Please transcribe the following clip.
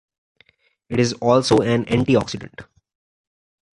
It is also an antioxidant.